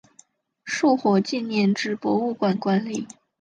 树火纪念纸博物馆管理。